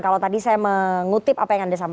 kalau tadi saya mengutip apa yang ada di jawa timur